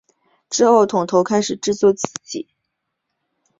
之后桶头开始制作自己作曲演奏的小样专辑。